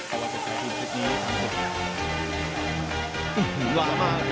อันดับสุดท้ายของมันก็คืออันดับสุดท้ายของมันก็คือ